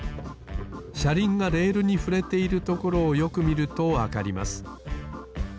しゃりんがレールにふれているところをよくみるとわかります。